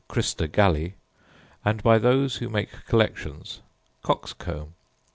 Crista Galli, and by those who make collections cock's comb.